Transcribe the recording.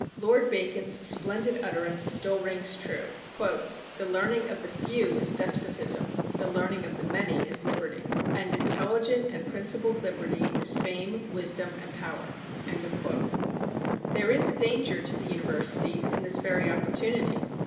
Lord Bacon's splendid utterance still rings true: "The learning of the few is despotism; the learning of the many is liberty. And intelligent and principled liberty is fame, wisdom and power." There is a danger to the universities in this very opportunity.